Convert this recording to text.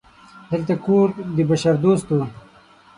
دلته کور د بشردوستو